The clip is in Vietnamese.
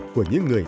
của những người